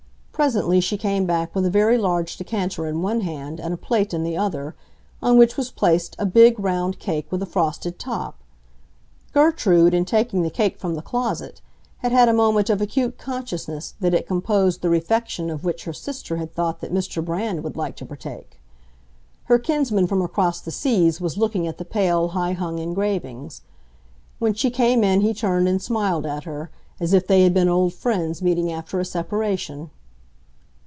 Presently she came back with a very large decanter in one hand and a plate in the other, on which was placed a big, round cake with a frosted top. Gertrude, in taking the cake from the closet, had had a moment of acute consciousness that it composed the refection of which her sister had thought that Mr. Brand would like to partake. Her kinsman from across the seas was looking at the pale, high hung engravings. When she came in he turned and smiled at her, as if they had been old friends meeting after a separation.